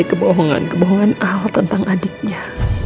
berai kebohongan kebohongan alat tentang adiknya